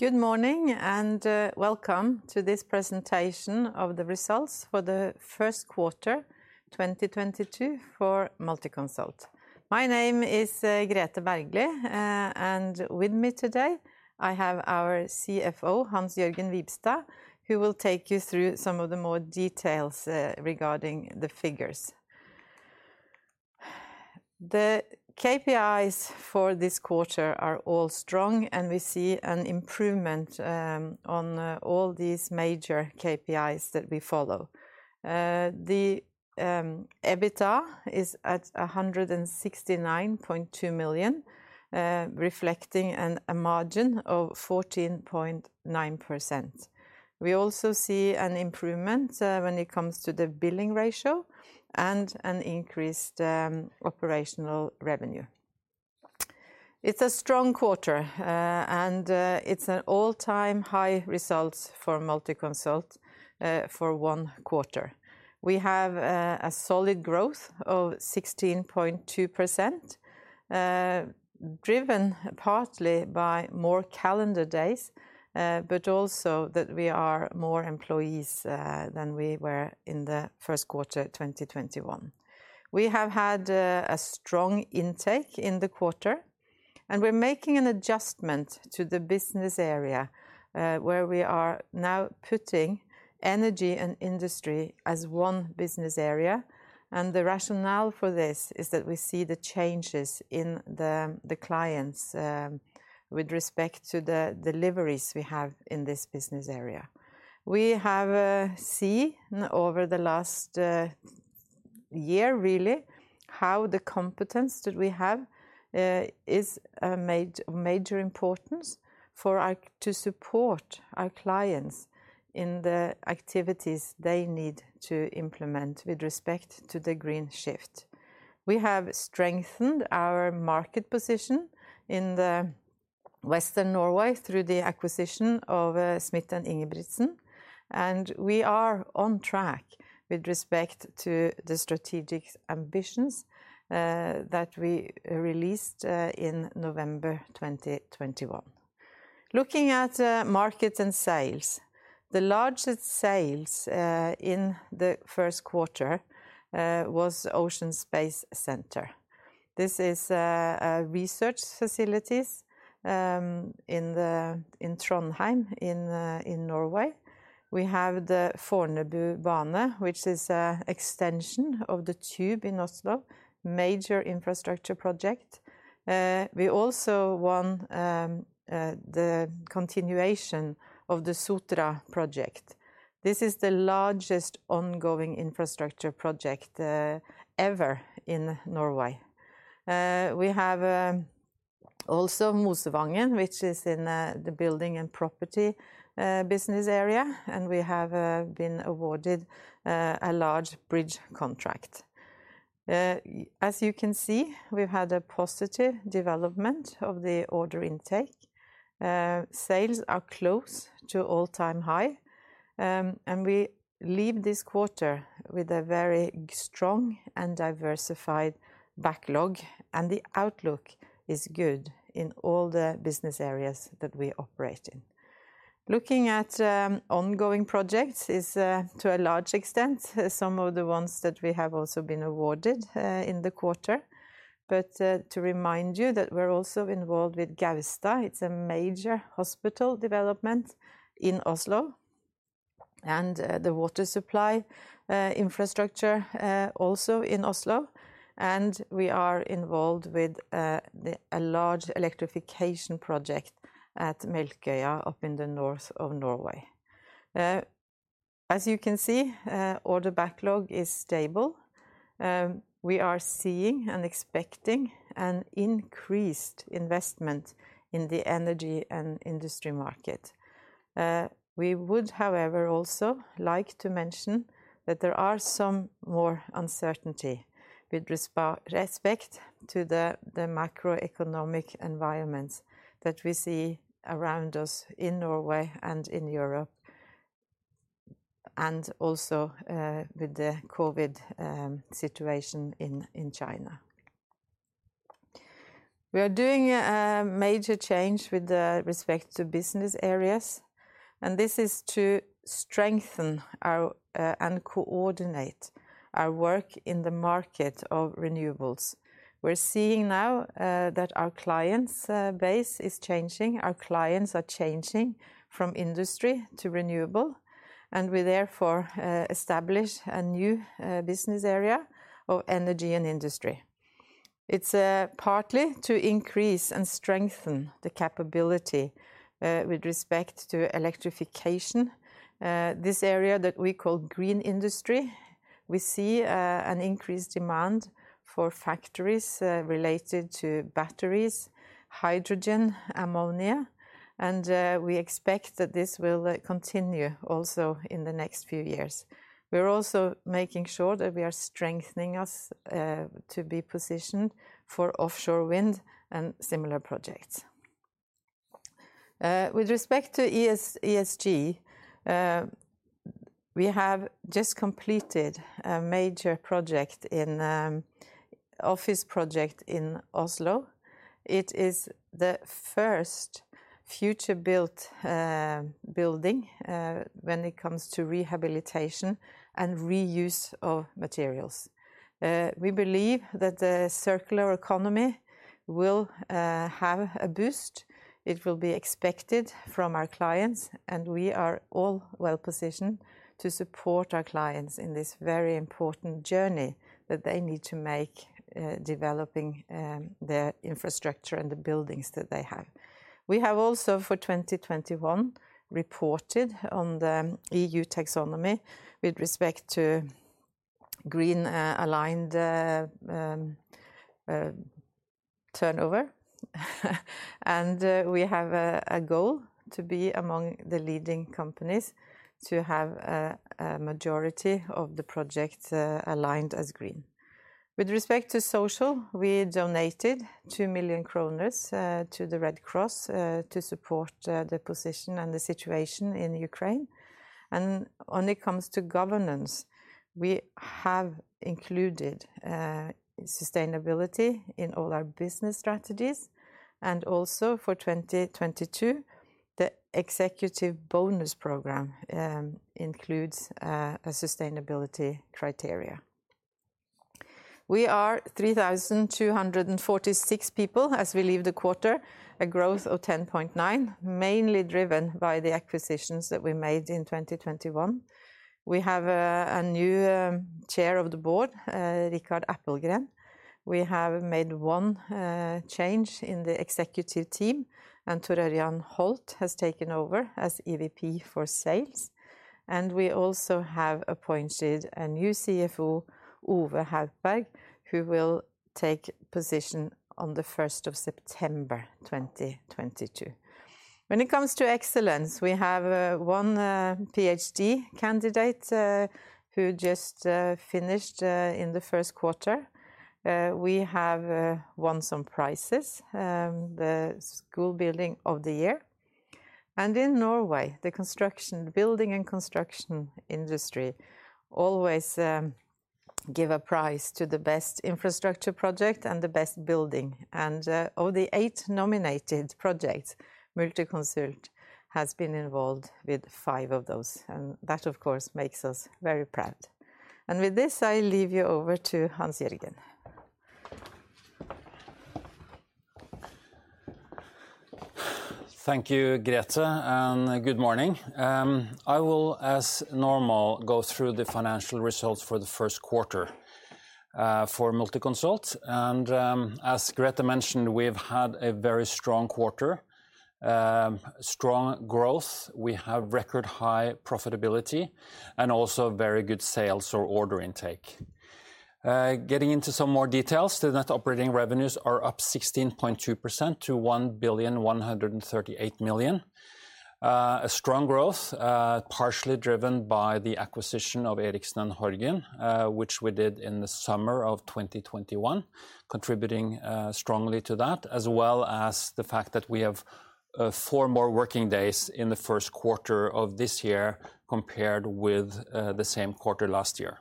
Good morning, and, welcome to this presentation of the results for the first quarter 2022 for Multiconsult. My name is, Grethe Bergly, and with me today I have our CFO, Hans-Jørgen Wibstad, who will take you through some of the more details, regarding the figures. The KPIs for this quarter are all strong, and we see an improvement, on, all these major KPIs that we follow. The EBITDA is at 169.2 million, reflecting a margin of 14.9%. We also see an improvement, when it comes to the billing ratio and an increased, operational revenue. It's a strong quarter, and, it's an all-time high results for Multiconsult, for one quarter. We have a solid growth of 16.2%, driven partly by more calendar days, but also that we have more employees than we were in the first quarter 2021. We have had a strong intake in the quarter, and we're making an adjustment to the business area, where we are now putting energy and industry as one business area, and the rationale for this is that we see the changes in the clients with respect to the deliveries we have in this business area. We have seen over the last year really how the competence that we have is of major importance for us to support our clients in the activities they need to implement with respect to the green shift. We have strengthened our market position in the Western Norway through the acquisition of Smidt & Ingebrigtsen, and we are on track with respect to the strategic ambitions that we released in November 2021. Looking at market and sales, the largest sales in the first quarter was Ocean Space Centre. This is a research facilities in the in Trondheim in in Norway. We have the Fornebubanen, which is a extension of the tube in Oslo, major infrastructure project. We also won the continuation of the Sotra project. This is the largest ongoing infrastructure project ever in Norway. We have also Mosvangen, which is in the building and property business area, and we have been awarded a large bridge contract. As you can see, we've had a positive development of the order intake. Sales are close to all-time high, and we leave this quarter with a very strong and diversified backlog, and the outlook is good in all the business areas that we operate in. Looking at ongoing projects is to a large extent some of the ones that we have also been awarded in the quarter. To remind you that we're also involved with Gaustad. It's a major hospital development in Oslo. The water supply infrastructure also in Oslo, and we are involved with a large electrification project at Melkøya up in the north of Norway. As you can see, order backlog is stable. We are seeing and expecting an increased investment in the energy and industry market. We would, however, also like to mention that there are some more uncertainty with respect to the macroeconomic environment that we see around us in Norway and in Europe, and also with the COVID situation in China. We are doing a major change with respect to business areas, and this is to strengthen our and coordinate our work in the market of renewables. We're seeing now that our clients base is changing. Our clients are changing from industry to renewable, and we therefore establish a new business area of energy and industry. It's partly to increase and strengthen the capability with respect to electrification. This area that we call green industry, we see an increased demand for factories related to batteries, hydrogen, ammonia, and we expect that this will continue also in the next few years. We're also making sure that we are strengthening us to be positioned for offshore wind and similar projects. With respect to ESG, we have just completed a major project in office project in Oslo. It is the first FutureBuilt building when it comes to rehabilitation and reuse of materials. We believe that the circular economy will have a boost. It will be expected from our clients, and we are all well positioned to support our clients in this very important journey that they need to make developing their infrastructure and the buildings that they have. We have also, for 2021, reported on the E.U. taxonomy with respect to green aligned turnover. We have a goal to be among the leading companies to have a majority of the project aligned as green. With respect to social, we donated 2 million kroner to the Red Cross to support the position and the situation in Ukraine. When it comes to governance, we have included sustainability in all our business strategies. Also for 2022, the executive bonus program includes a sustainability criteria. We are 3,246 people as we leave the quarter, a growth of 10.9%, mainly driven by the acquisitions that we made in 2021. We have a new Chair of the Board, Rikard Appelgren. We have made one change in the executive team, and Thor Ørjan Holt has taken over as EVP for Sales. We also have appointed a new CFO, Ove Haupberg, who will take position on September 1st, 2022. When it comes to excellence, we have one PhD candidate who just finished in the first quarter. We have won some prizes, the school building of the year. In Norway, the construction, building and construction industry always give a prize to the best infrastructure project and the best building. Of the eight nominated projects, Multiconsult has been involved with five of those. That, of course, makes us very proud. With this, I leave you over to Hans-Jørgen. Thank you, Grethe, and good morning. I will, as normal, go through the financial results for the first quarter for Multiconsult. As Grethe mentioned, we've had a very strong quarter, strong growth. We have record high profitability and also very good sales or order intake. Getting into some more details, the net operating revenues are up 16.2% to 1,138,000. A strong growth, partially driven by the acquisition of Erichsen & Horgen, which we did in the summer of 2021, contributing strongly to that, as well as the fact that we have four more working days in the first quarter of this year compared with the same quarter last year.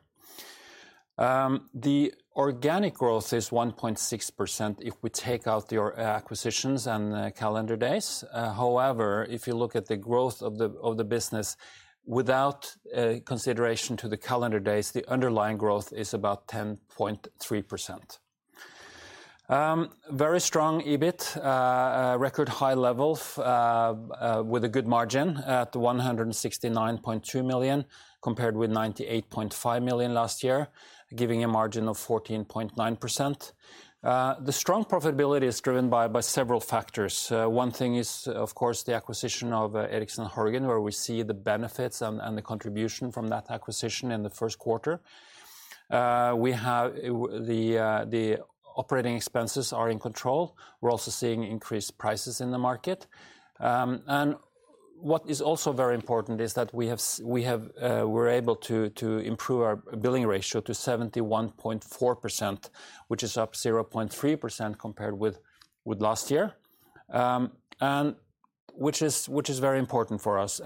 The organic growth is 1.6% if we take out the acquisitions and the calendar days. However, if you look at the growth of the business without consideration to the calendar days, the underlying growth is about 10.3%. Very strong EBIT, a record high level, with a good margin at 169.2 million compared with 98.5 million last year, giving a margin of 14.9%. The strong profitability is driven by several factors. One thing is, of course, the acquisition of Erichsen & Horgen, where we see the benefits and the contribution from that acquisition in the first quarter. The operating expenses are in control. We're also seeing increased prices in the market. What is also very important is that we're able to improve our billing ratio to 71.4%, which is up 0.3% compared with last year, and which is very important for us.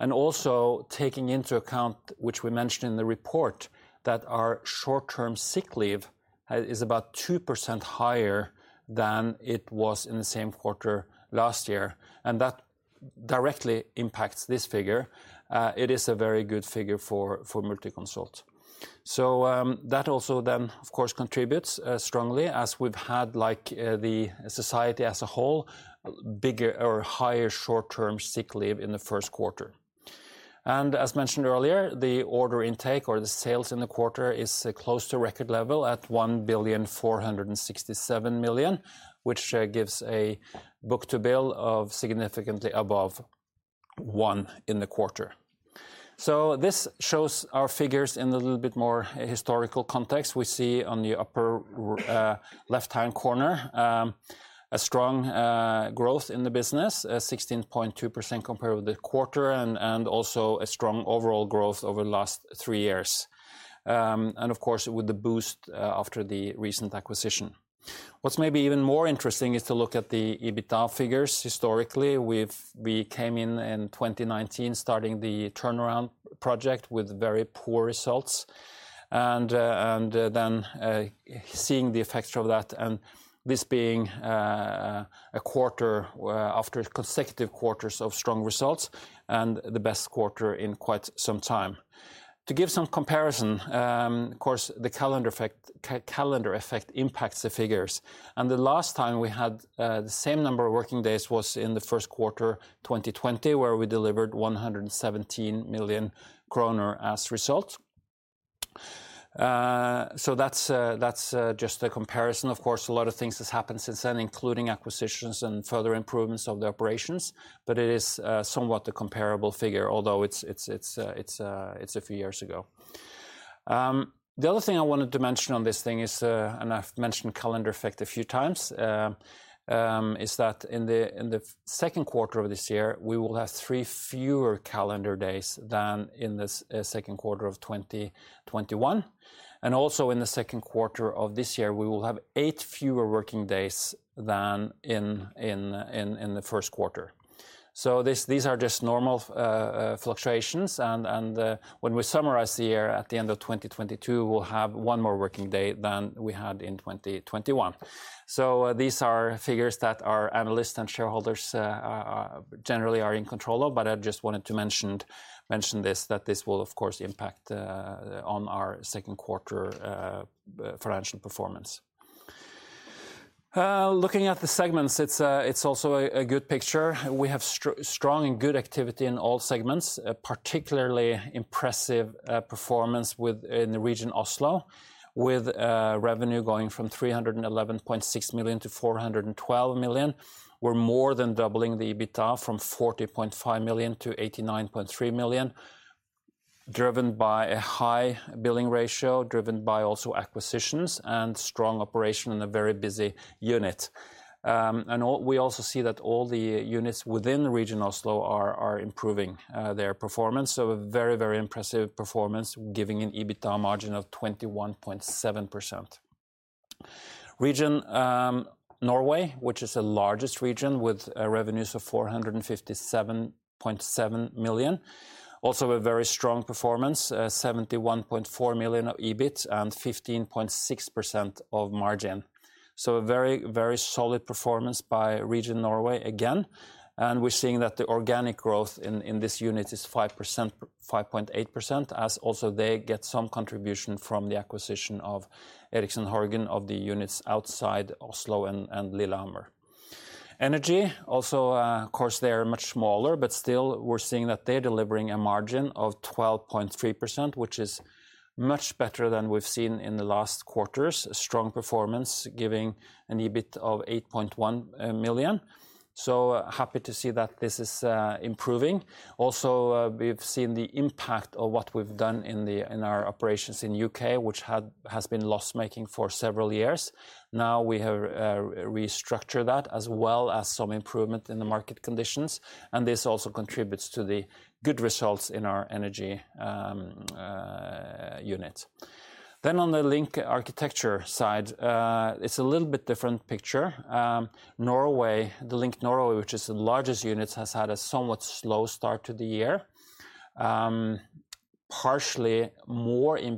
Also taking into account, which we mentioned in the report, that our short-term sick leave is about 2% higher than it was in the same quarter last year, and that directly impacts this figure, it is a very good figure for Multiconsult. That also then of course contributes strongly as we've had like the society as a whole, bigger or higher short-term sick leave in the first quarter. As mentioned earlier, the order intake or the sales in the quarter is close to record level at 1,467,000, which gives a book-to-bill of significantly above one in the quarter. This shows our figures in a little bit more historical context. We see on the upper left-hand corner, a strong growth in the business, 16.2% compared with the quarter and also a strong overall growth over the last three years. Of course, with the boost after the recent acquisition. What's maybe even more interesting is to look at the EBITDA figures historically. We came in in 2019 starting the turnaround project with very poor results, and then seeing the effects from that, and this being a quarter where after consecutive quarters of strong results and the best quarter in quite some time. To give some comparison, of course, the calendar effect impacts the figures. The last time we had the same number of working days was in the first quarter 2020, where we delivered 117 million kroner as result. So that's just a comparison. Of course, a lot of things have happened since then, including acquisitions and further improvements of the operations, but it is somewhat a comparable figure, although it's a few years ago. The other thing I wanted to mention on this thing is, and I've mentioned calendar effect a few times, is that in the second quarter of this year, we will have three fewer calendar days than in the second quarter of 2021. Also in the second quarter of this year, we will have eight fewer working days than in the first quarter. These are just normal fluctuations. When we summarize the year at the end of 2022, we'll have 1 more working day than we had in 2021. These are figures that our analysts and shareholders generally are in control of, but I just wanted to mention this, that this will of course impact on our second quarter financial performance. Looking at the segments, it's also a good picture. We have strong and good activity in all segments, a particularly impressive performance within the Region Oslo, with revenue going from 311.6 million-412 million. We're more than doubling the EBITDA from 40.5 million-89.3 million, driven by a high billing ratio, driven by also acquisitions and strong operation in a very busy unit. We also see that all the units within the Region Oslo are improving their performance. A very impressive performance, giving an EBITDA margin of 21.7%. Region Norway, which is the largest region with revenues of 457.7 million, also a very strong performance, 71.4 million of EBIT and 15.6% margin. A very, very solid performance by Region Norway again, and we're seeing that the organic growth in this unit is 5%, 5.8%, as also they get some contribution from the acquisition of Erichsen & Horgen of the units outside Oslo and Lillehammer. Energy, also, of course, they are much smaller, but still we're seeing that they're delivering a margin of 12.3%, which is much better than we've seen in the last quarters. A strong performance, giving an EBIT of 8.1 million. Happy to see that this is improving. Also, we've seen the impact of what we've done in our operations in U.K., which has been loss-making for several years. Now we have restructured that as well as some improvement in the market conditions, and this also contributes to the good results in our energy unit. On the LINK arkitektur side, it's a little bit different picture. Norway, the LINK Norway, which is the largest unit, has had a somewhat slow start to the year,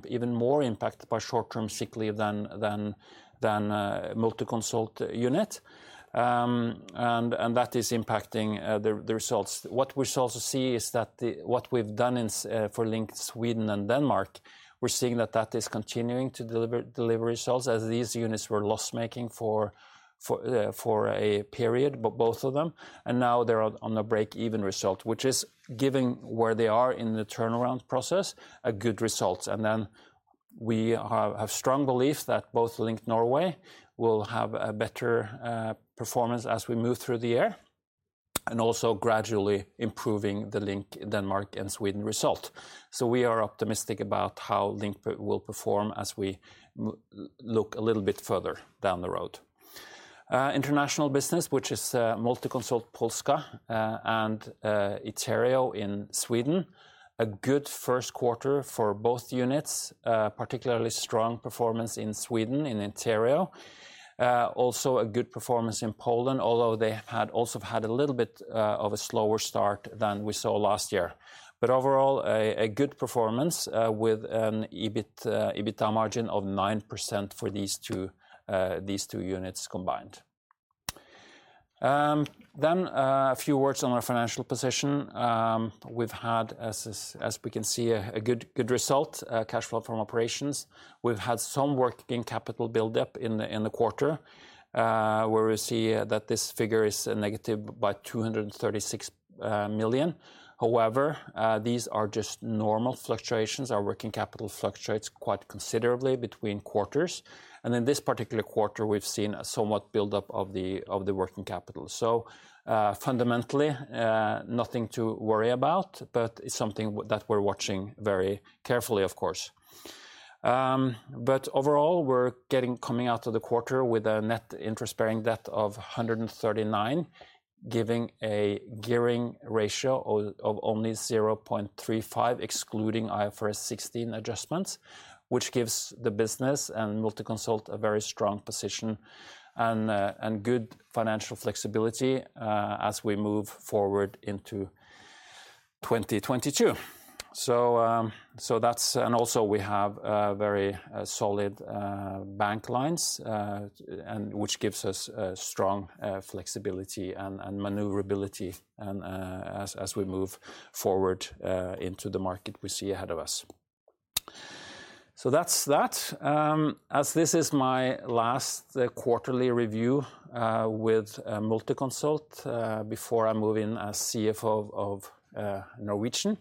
even more impacted by short-term sick leave than Multiconsult unit. That is impacting the results. What we also see is that what we've done for LINK Sweden and Denmark, we're seeing that that is continuing to deliver results as these units were loss-making for a period, but both of them. Now they're on a break-even result, which is giving where they are in the turnaround process a good result. We have strong belief that both LINK Norway will have a better performance as we move through the year, and also gradually improving the LINK Denmark and Sweden result. We are optimistic about how LINK will perform as we look a little bit further down the road. International business, which is Multiconsult Polska and Iterio in Sweden, a good first quarter for both units, particularly strong performance in Sweden in Iterio. Also a good performance in Poland, although they had a little bit of a slower start than we saw last year. Overall, a good performance with an EBIT EBITDA margin of 9% for these two units combined. A few words on our financial position. We've had, as we can see, a good result, cash flow from operations. We've had some working capital build up in the quarter, where we see that this figure is negative by 236 million. However, these are just normal fluctuations. Our working capital fluctuates quite considerably between quarters. In this particular quarter, we've seen a somewhat build-up of the working capital. Fundamentally, nothing to worry about, but it's something that we're watching very carefully, of course. But overall, we're coming out of the quarter with a net interest-bearing debt of 139, giving a gearing ratio of only 0.35, excluding IFRS 16 adjustments, which gives the business and Multiconsult a very strong position and good financial flexibility as we move forward into 2022. Also we have very solid bank lines, and which gives us strong flexibility and maneuverability as we move forward into the market we see ahead of us. That's that. As this is my last quarterly review with Multiconsult before I move in as CFO of Norwegian,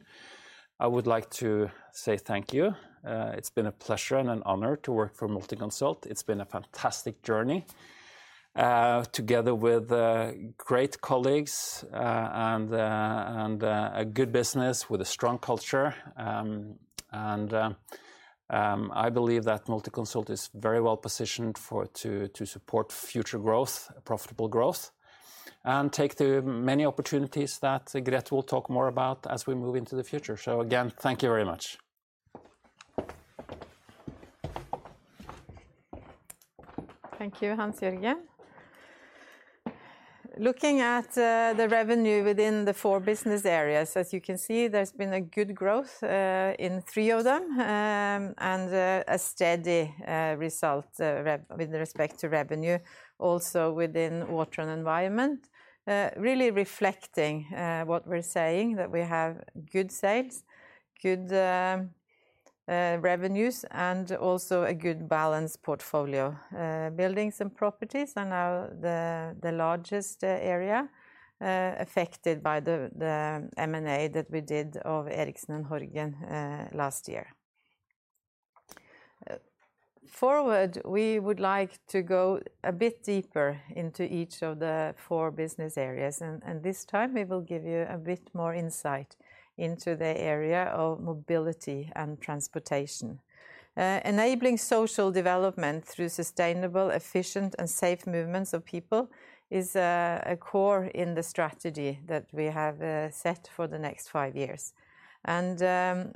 I would like to say thank you. It's been a pleasure and an honor to work for Multiconsult. It's been a fantastic journey together with great colleagues and a good business with a strong culture. I believe that Multiconsult is very well positioned to support future growth, profitable growth, and take the many opportunities that Grethe will talk more about as we move into the future. Again, thank you very much. Thank you, Hans-Jørgen. Looking at the revenue within the four business areas, as you can see, there's been a good growth in three of them, and a steady result with respect to revenue also within water and environment, really reflecting what we're saying, that we have good sales, good revenues, and also a good balanced portfolio. Buildings and properties are now the largest area, affected by the M&A that we did of Erichsen & Horgen last year. Forward, we would like to go a bit deeper into each of the four business areas, and this time we will give you a bit more insight into the area of mobility and transportation. Enabling social development through sustainable, efficient, and safe movements of people is a core in the strategy that we have set for the next five years.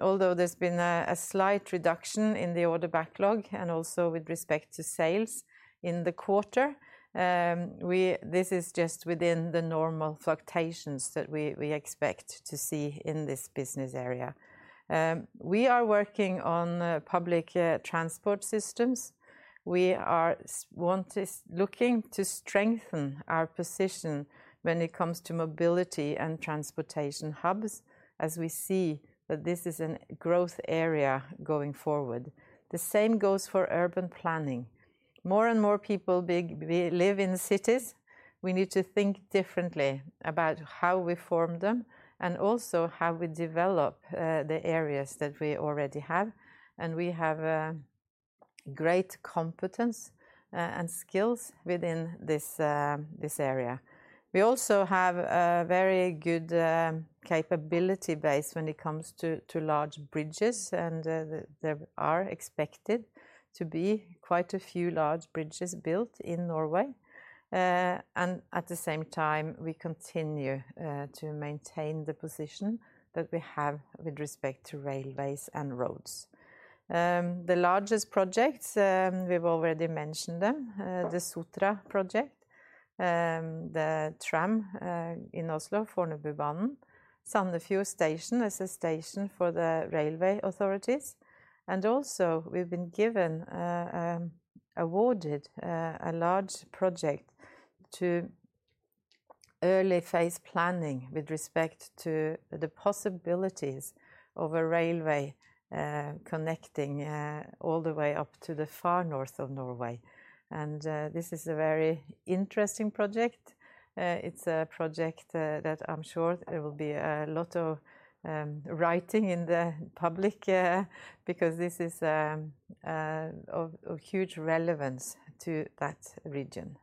Although there's been a slight reduction in the order backlog and also with respect to sales in the quarter, this is just within the normal fluctuations that we expect to see in this business area. We are working on public transport systems. We are looking to strengthen our position when it comes to mobility and transportation hubs as we see that this is a growth area going forward. The same goes for urban planning. More and more people live in cities. We need to think differently about how we form them and also how we develop the areas that we already have. We have great competence and skills within this area. We also have a very good capability base when it comes to large bridges, and there are expected to be quite a few large bridges built in Norway. At the same time, we continue to maintain the position that we have with respect to railways and roads. The largest projects we've already mentioned them, the Sotra project, the tram in Oslo, Fornebubanen, Sandefjord Station as a station for the railway authorities. We've also been awarded a large project to early phase planning with respect to the possibilities of a railway connecting all the way up to the far north of Norway. This is a very interesting project. It's a project that I'm sure there will be a lot of writing in the public because this is of huge relevance to that region.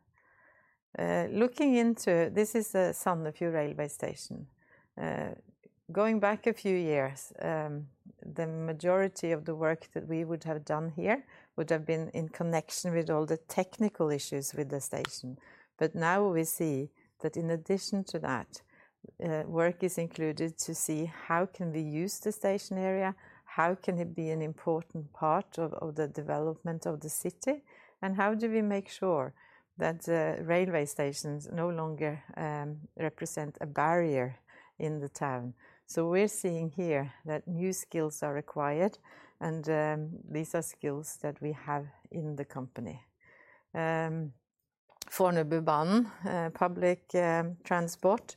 This is Sandefjord Railway Station. Going back a few years, the majority of the work that we would have done here would have been in connection with all the technical issues with the station. Now we see that in addition to that, work is included to see how can we use the station area, how can it be an important part of the development of the city, and how do we make sure that railway stations no longer represent a barrier in the town. We're seeing here that new skills are required, and these are skills that we have in the company. Fornebubanen public transport,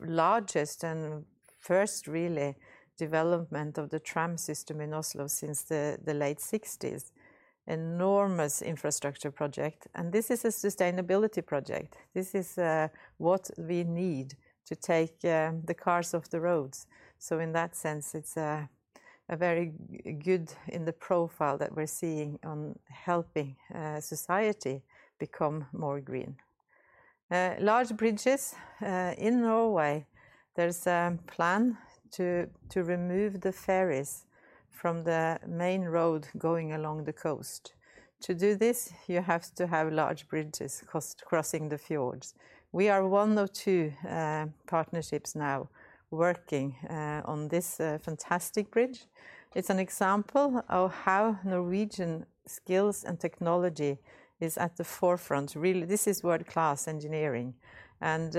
largest and first real development of the tram system in Oslo since the late sixties. Enormous infrastructure project. This is a sustainability project. This is what we need to take the cars off the roads. In that sense, it's a very good one in the profile that we're in on helping society become more green. Large bridges in Norway. There is a plan to remove the ferries from the main road going along the coast. To do this, you have to have large bridges crossing the fjords. We are one of two partnerships now working on this fantastic bridge. It's an example of how Norwegian skills and technology is at the forefront. Really, this is world-class engineering and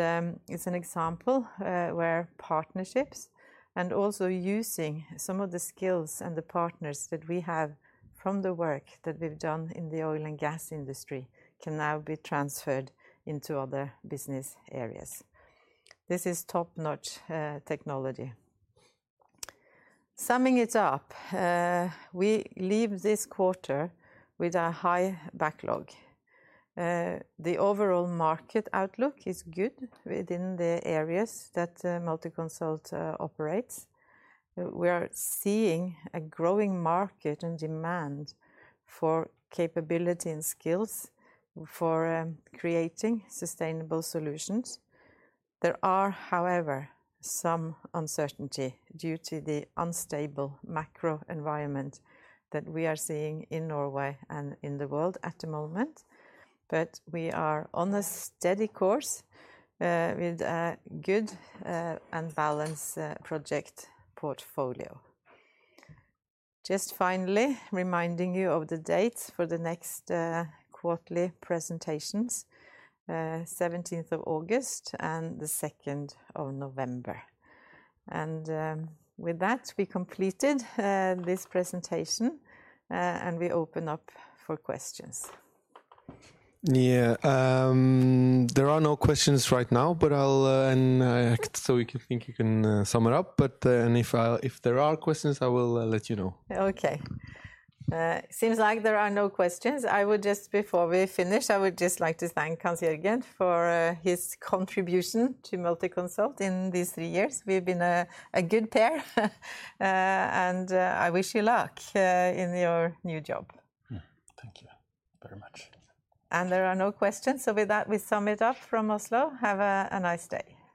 it's an example where partnerships and also using some of the skills and the partners that we have from the work that we've done in the oil and gas industry can now be transferred into other business areas. This is top-notch technology. Summing it up, we leave this quarter with a high backlog. The overall market outlook is good within the areas that Multiconsult operates. We are seeing a growing market and demand for capability and skills for creating sustainable solutions. There are, however, some uncertainty due to the unstable macro environment that we are seeing in Norway and in the world at the moment. We are on a steady course with a good and balanced project portfolio. Just finally reminding you of the dates for the next quarterly presentations, seventeenth of August and the second of November. With that, we completed this presentation and we open up for questions. Yeah. There are no questions right now. We can thank you and sum it up. If there are questions, I will let you know. Okay. Seems like there are no questions. Before we finish, I would just like to thank Hans-Jørgen for his contribution to Multiconsult in these three years. We've been a good pair. I wish you luck in your new job. Thank you very much. There are no questions. With that, we sum it up from Oslo. Have a nice day.